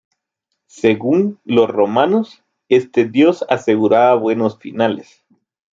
Según los romanos, este dios aseguraba buenos finales.